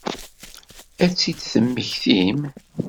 Ad tt-id-temmektim?